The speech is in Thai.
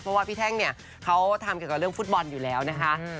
เพราะว่าพี่แท่งเนี่ยเขาทำเกี่ยวกับเรื่องฟุตบอลอยู่แล้วนะคะ